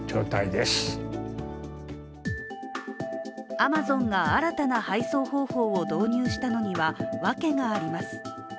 アマゾンが新たな配送方法を導入したのにはわけがあります。